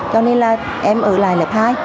cho nên là em ở lại lớp hai